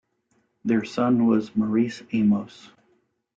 Their son was Maurice Amos.